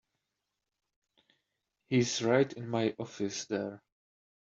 He's right in my office there.